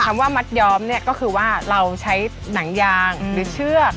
คำว่ามัดยอมเนี่ยก็คือว่าเราใช้หนังยางหรือเชือก